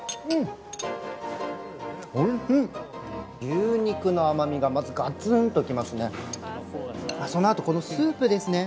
牛肉の甘みがまずガツンときますね。